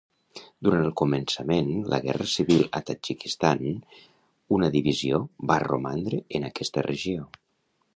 Durant el començament la Guerra Civil a Tadjikistan una divisió va romandre en aquesta regió.